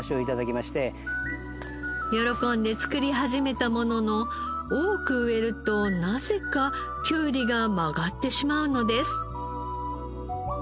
喜んで作り始めたものの多く植えるとなぜかきゅうりが曲がってしまうのです。